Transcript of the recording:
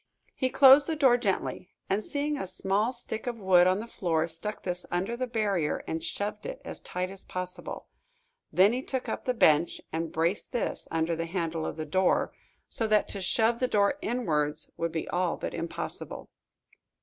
He closed the door gently, and, seeing a small stick of wood on the floor, stuck this under the barrier and shoved it as tight as possible. Then he took up the bench and braced this under the handle of the door, so that to shove the door inwards would be all but impossible.